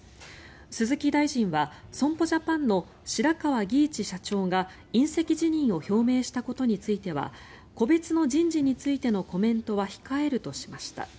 鈴木大臣は損保ジャパンの白川儀一社長が引責辞任を表明したことについては個別の人事についてのコメントは控えるとしました。